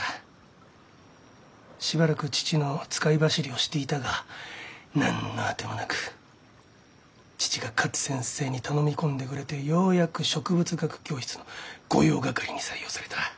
しばらく父の使い走りをしていたが何の当てもなく父が勝先生に頼み込んでくれてようやく植物学教室の御用掛に採用された。